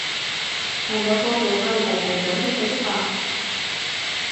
但有個做教育部部長嘅世叔伯